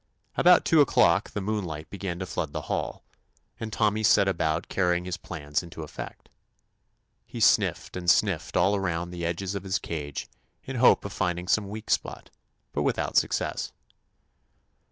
About two o'clock the moonlight began to flood the hall, and Tommy set about carrying his plans into effect. He sniffed and sniffed all around the edges of his cage in hope of finding some weak spot, but without success.